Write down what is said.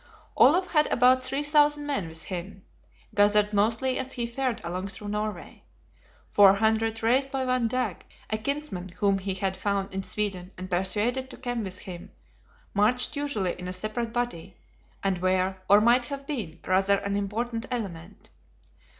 Olaf had about three thousand men with him; gathered mostly as he fared along through Norway. Four hundred, raised by one Dag, a kinsman whom he had found in Sweden and persuaded to come with him, marched usually in a separate body; and were, or might have been, rather an important element.